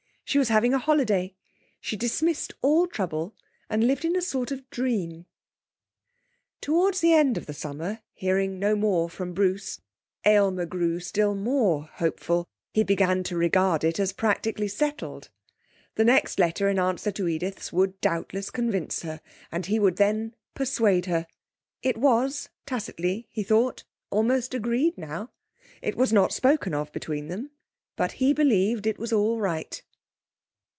She was having a holiday. She dismissed all trouble and lived in a sort of dream. Towards the end of the summer, hearing no more from Bruce, Aylmer grew still more hopeful; he began to regard it as practically settled. The next letter in answer to Edith's would doubtless convince her, and he would then persuade her; it was, tacitly, he thought, almost agreed now; it was not spoken of between them, but he believed it was all right....